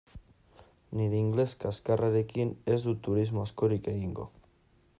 Nire ingeles kaxkarrarekin ez dut turismo askorik egingo.